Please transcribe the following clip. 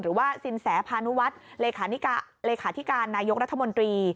หรือว่าสินแสพานุวัฒน์เลขาธิการนายกรัฐมนตรี